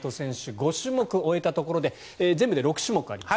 ５種目終えたところで全６種目あります